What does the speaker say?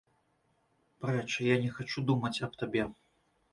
Прэч, я не хачу думаць аб табе!